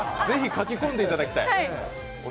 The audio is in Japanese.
ぜひかきこんでいただきたい。